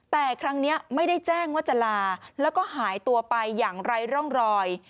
แต่ครั้งนี้ไม่ได้แจ้งว่าจะลาแล้วก็หายตัวไปอย่างไร้ร่องรอย